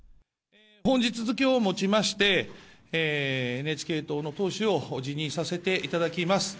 本日付けをもちまして、ＮＨＫ党の党首を辞任させていただきます。